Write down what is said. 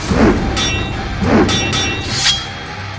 rayus rayus sensa pergi